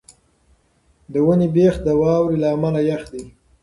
د ونې بېخ د واورې له امله یخ دی.